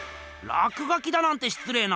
らくがきだなんてしつれいな。